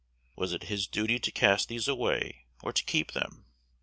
Was it his duty to cast these away, or to keep them?